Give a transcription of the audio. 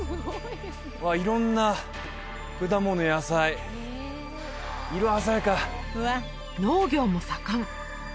うわ色んな果物野菜色鮮やか農業も盛ん！